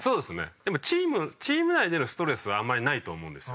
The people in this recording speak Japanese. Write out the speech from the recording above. でもチーム内でのストレスはあんまりないと思うんですよ。